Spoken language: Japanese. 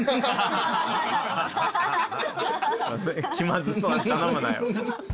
気まずそうに頼むなよ。